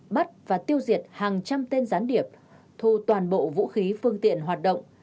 bắt và tiêu diệt hàng trăm tên gián điệp thu toàn bộ vũ khí phương tiện hoạt động